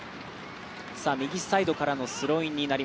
右サイドからのスローイン。